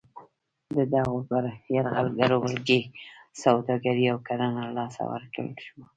د دغو یرغلګرو ولکې سوداګري او کرنه له لاسه ورکړل شوه.